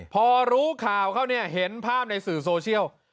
พอรู้ข่าวเขาเนี่ยเห็นภาพในสื่อโซเชียล